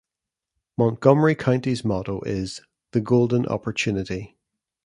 Montgomery County's motto is "The Golden Opportunity".